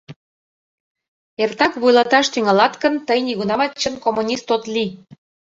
Эртак вуйлаташ тӱҥалат гын, тый нигунамат чын коммунист от лий.